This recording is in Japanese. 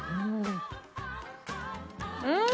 うん！